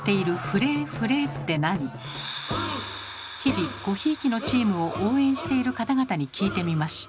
日々ごひいきのチームを応援している方々に聞いてみました。